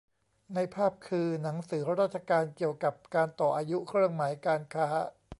ในภาพคือหนังสือราชการเกี่ยวกับการต่ออายุเครื่องหมายการค้า